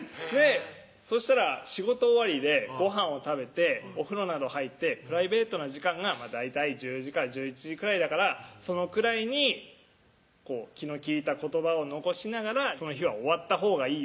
そしたら「仕事終わりでごはんを食べてお風呂など入ってプライベートな時間が大体１０時から１１時くらいだからそのくらいに気の利いた言葉を残しながらその日は終わったほうがいいよ」